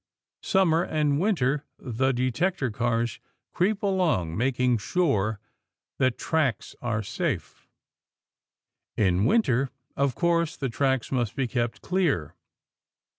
Summer and winter, the detector cars creep along, making sure that tracks are safe. In winter, of course, the tracks must be kept clear.